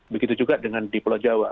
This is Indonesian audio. begitu juga dengan di pulau jawa